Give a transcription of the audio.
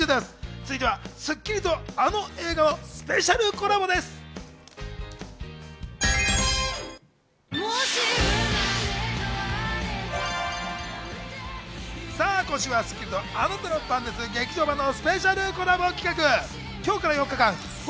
続いては『スッキリ』とあの映画のスペシャルコラボです。